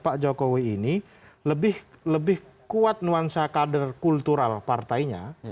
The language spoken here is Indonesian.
pak jokowi ini lebih kuat nuansa kader kultural partainya